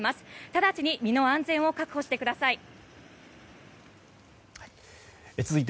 直ちに身の安全を確保してください。